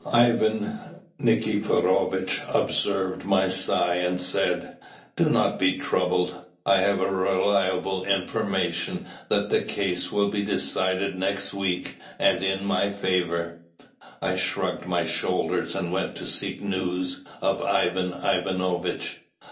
Ivan Nikiforovitch observed my sigh, and said, "Do not be troubled: I have reliable information that the case will be decided next week, and in my favour." I shrugged my shoulders, and went to seek news of Ivan Ivanovitch.